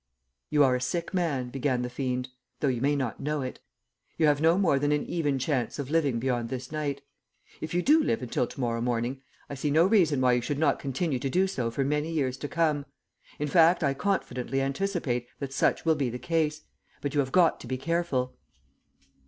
"You are a sick man," began the fiend, "though you may not know it. You have no more than an even chance of living beyond this night. If you do live until to morrow morning I see no reason why you should not continue to do so for many years to come; in fact I confidently anticipate that such will be the case, but you have got to be careful."